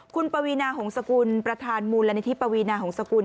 คุณปวีนาหงษกุลประธานมูลนิธิปวีนาหงษกุล